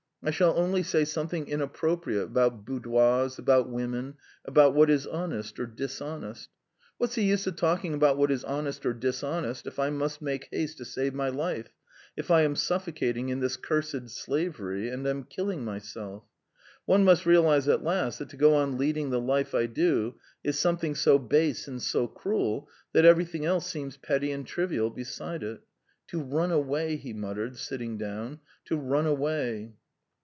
I shall only say something inappropriate about boudoirs, about women, about what is honest or dishonest. What's the use of talking about what is honest or dishonest, if I must make haste to save my life, if I am suffocating in this cursed slavery and am killing myself? ... One must realise at last that to go on leading the life I do is something so base and so cruel that everything else seems petty and trivial beside it. To run away," he muttered, sitting down, "to run away."